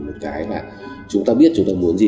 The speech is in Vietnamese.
một cái mà chúng ta biết chúng ta muốn gì